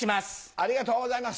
ありがとうございます！